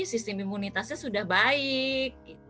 sistem imunitasnya sudah baik